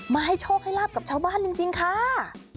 ให้โชคให้ลาบกับชาวบ้านจริงค่ะ